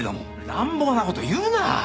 乱暴な事言うな！